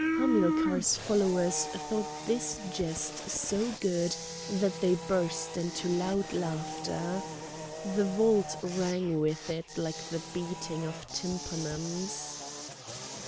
Hamilcar's followers thought this jest so good that they burst out into loud laughter. The vault rang with it like the beating of tympanums.